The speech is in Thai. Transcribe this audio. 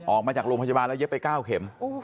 ออกมาจากโรงพยาบาลแล้วเย็บไป๙เข็ม